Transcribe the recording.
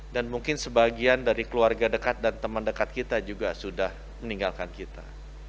dan mungkin sebagian dari keluarga dekat dan teman dekat kita juga sudah meninggalkan kita